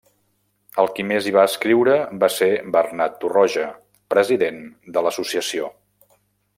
El qui més hi va escriure va ser Bernat Torroja, president de l'Associació.